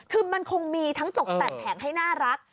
คือมันคงมีทั้งตกแต่งแผงให้น่ารัก